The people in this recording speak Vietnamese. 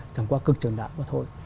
chẳng qua cực trần đại quá thôi